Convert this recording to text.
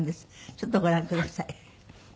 ちょっとご覧ください。